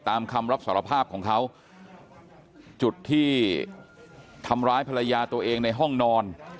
คำรับสารภาพของเขาจุดที่ทำร้ายภรรยาตัวเองในห้องนอน